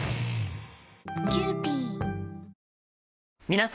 皆様。